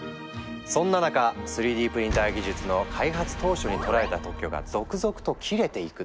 そんな中３Ｄプリンター技術の開発当初に取られた特許が続々と切れていくの！